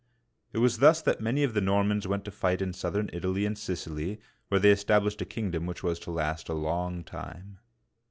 It was thu^ that many of the Normans went to fight in southern Italy and Sicily, where they established a kingdom which was to last a long time.